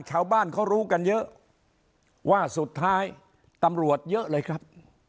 ชาวบ้านเขารู้กันเยอะว่าสุดท้ายตำรวจเยอะเลยครับ